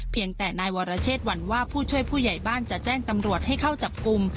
เพียงแต่นายวรเชษหวั่นว่าผู้ช่วยผู้ใหญ่บ้านจะแจ้งตำรวจให้เข้าจับกลุ่ม